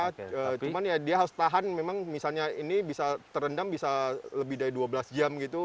cuman ya dia harus tahan memang misalnya ini bisa terendam bisa lebih dari dua belas jam gitu